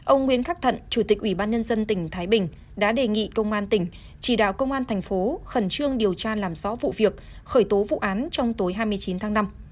ông nguyễn khắc thận chủ tịch ủy ban nhân dân tỉnh thái bình đã đề nghị công an tỉnh chỉ đạo công an thành phố khẩn trương điều tra làm rõ vụ việc khởi tố vụ án trong tối hai mươi chín tháng năm